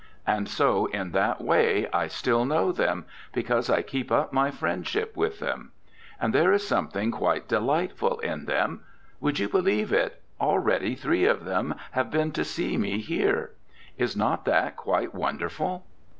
And so in that way I still know them, because I keep up my friendship with them. And there is something quite delightful in them. Would you believe it, already three of them have been to see me here? Is not that quite wonderful?'